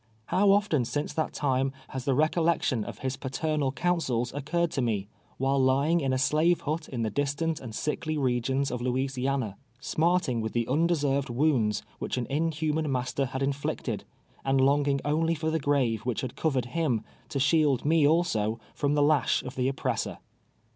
How often since that time has the recollection of his paternal counsels occurred to me, while lying in a slave hut in the distant and sickly regions of Louisiana, snuirting with the undeserved wounds which an inhunum nuis ter had inflicted, and lonijino: onlv for the o rave which had covered him, to shield me also from the lash of the oppressor.